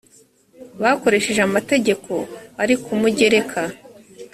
bakoresheje amategeko ari ku mugereka